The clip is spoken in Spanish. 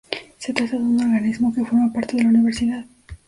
Se trata de un organismo que forma parte de la Universidad.